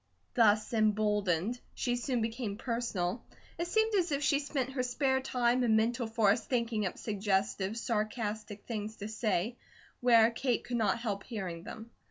Thus emboldened she soon became personal. It seemed as if she spent her spare time and mental force thinking up suggestive, sarcastic things to say, where Kate could not help hearing them.